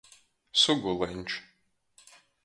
Suguleņš.